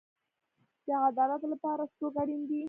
د عدالت لپاره څوک اړین دی؟